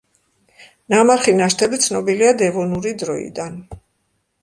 ნამარხი ნაშთები ცნობილია დევონური დროიდან.